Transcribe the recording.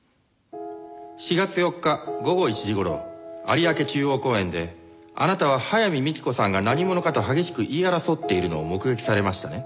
４月４日午後１時頃有明中央公園であなたは早見幹子さんが何者かと激しく言い争っているのを目撃されましたね？